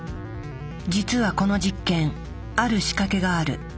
実はこの実験ある仕掛けがある。